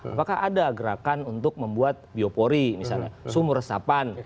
apakah ada gerakan untuk membuat biopori misalnya sumur resapan